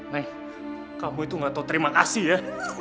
neng kamu itu nggak tahu terima kasih ya